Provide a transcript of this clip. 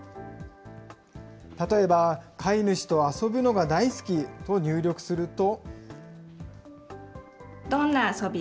例えば、飼い主と遊ぶのが大好きと入力すると。